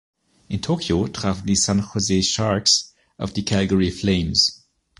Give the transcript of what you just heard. In Tokio trafen die San Jose Sharks auf die Calgary Flames.